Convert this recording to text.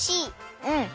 うん！